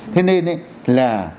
thế nên là